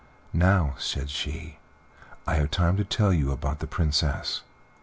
"Now," said she, "I have time to tell you about the Princess.